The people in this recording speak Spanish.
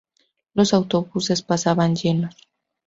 Los autobuses pasaban llenos.